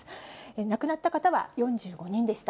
亡くなった方は４５人でした。